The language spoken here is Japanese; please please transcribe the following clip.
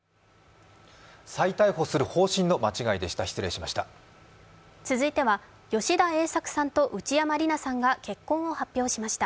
再逮捕する方針の間違いでした、失礼しました。